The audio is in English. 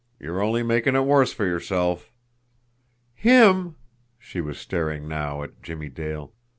You're only making it worse for yourself." "Him!" She was staring now at Jimmie Dale.